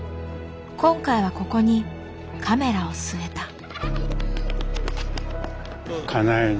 今回はここにカメラを据えた。